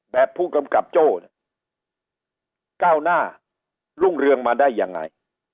ผู้กำกับโจ้เนี่ยก้าวหน้ารุ่งเรืองมาได้ยังไง